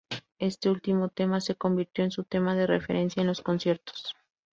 Este último tema se convirtió en su tema de referencia en los conciertos.